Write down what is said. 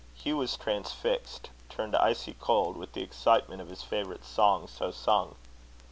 Hugh was transfixed, turned icy cold, with the excitement of his favourite song so sung.